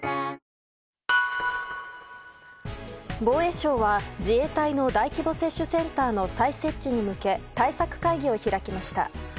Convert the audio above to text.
防衛省は自衛隊の大規模接種センターの再設置に向け対策会議を開きました。